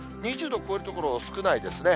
２０度を超える所、少ないですね。